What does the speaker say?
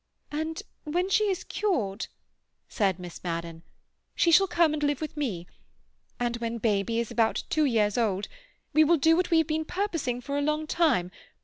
"And when she is cured," said Miss Madden, "she shall come and live with me. And when baby is about two years old we will do what we have been purposing for a long time.